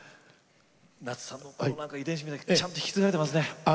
夏さんのなんか遺伝子みたいなのちゃんと引き継がれてますね。